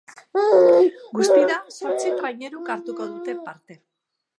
Guztira, zortzi traineruk hartuko dute parte.